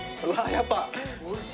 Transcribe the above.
やっぱ。